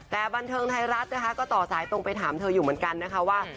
แต่บันเทิงไทยรัฐนะคะก็ต่อสายตรงไปถามเธออยู่เหมือนกันนะคะว่า